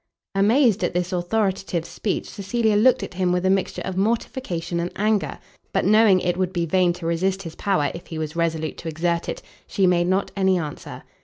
Amazed at this authoritative speech, Cecilia looked at him with a mixture of mortification and anger; but knowing it would be vain to resist his power if he was resolute to exert it, she made not any answer.